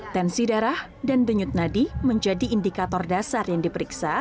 tensi darah dan denyut nadi menjadi indikator dasar yang diperiksa